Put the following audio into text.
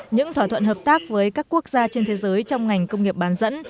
những thỏa thuận hợp tác với các quốc gia trên thế giới trong ngành công nghiệp bán dẫn